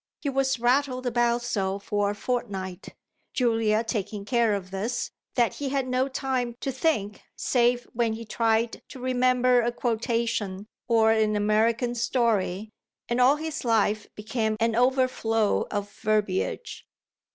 He was rattled about so for a fortnight Julia taking care of this that he had no time to think save when he tried to remember a quotation or an American story, and all his life became an overflow of verbiage.